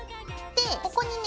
ここにね